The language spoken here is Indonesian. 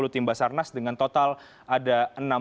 tim basarnas dengan total ada enam